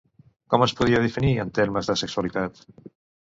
Com es podria definir, en termes de sexualitat?